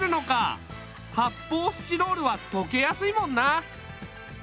はっぽうスチロールはとけやすいもんな。